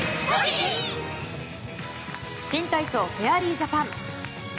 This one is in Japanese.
新体操、フェアリージャパン。